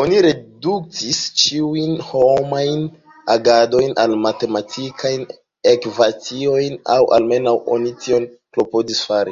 Oni reduktis ĉiujn homajn agadojn al matematikajn ekvaciojn, aŭ almenaŭ oni tion klopodis fari.